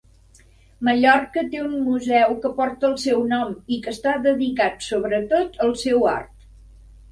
Mallorca té un museu que porta el seu nom i que està dedicat sobretot al seu art.